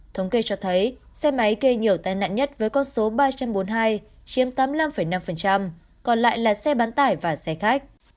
thống kê cho thấy xe máy gây nhiều tai nạn nhất với con số ba trăm bốn mươi hai chiếm tám mươi năm năm còn lại là xe bán tải và xe khách